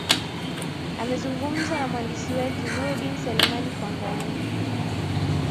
amezungumza na mwandishi wetu nurdin seleman kuangalia